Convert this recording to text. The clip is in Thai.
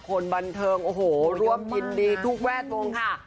คนบันเทิงโอ้โหร่วมยินดีทุกแวดวงค่ะ